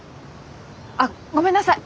あっごめんなさい！